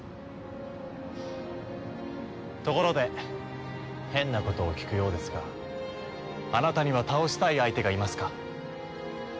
ところで変なことを聞くようですがあなたには倒したい相手がいますか？